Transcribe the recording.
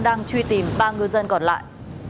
đang truy tìm ba ngư dân còn lại